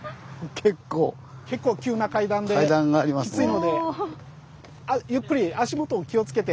結構急な階段できついのでゆっくり足元お気をつけて。